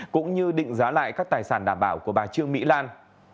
cũng như định giá lại các tài sản đảm bảo của bà trương mỹ lan